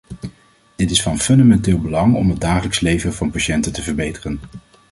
Dit is van fundamenteel belang om het dagelijks leven van patiënten te verbeteren.